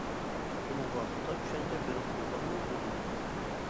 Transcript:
ئۇنىڭغا خاتا چۈشەنچە بېرىپ قويغانمۇ ئۆزۈم.